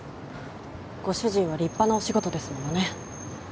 ご主人は立派なお仕事ですものね。